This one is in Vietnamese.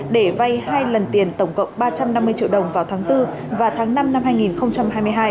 để vay hai lần tiền tổng cộng ba trăm năm mươi triệu đồng vào tháng bốn và tháng năm năm hai nghìn hai mươi hai